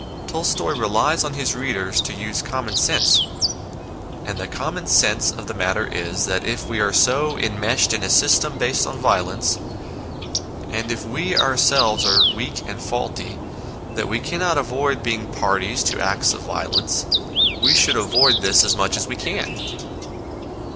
Tolstoy relies on his readers to use common sense, and the common sense of the matter is, that if we are so enmeshed in a system based on violence, and if we ourselves are so weak and faulty, that we cannot avoid being INTRODUCTION 9 parties to acts of violence, we should avoid this as much as we can.